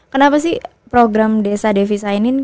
kenapa sih program desa devisa ini